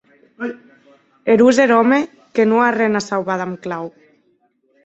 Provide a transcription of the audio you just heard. Erós er òme que non a arren que sauvar damb clau!